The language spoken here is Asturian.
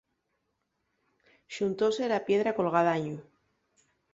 Xuntóse la piedra col gadañu.